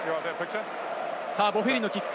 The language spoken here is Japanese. ボフェリのキック。